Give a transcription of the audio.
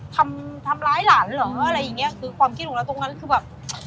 ทำร้ายหลานเหรออะไรอย่างเงี้ยคือความคิดของเราตรงนั้นคือแบบ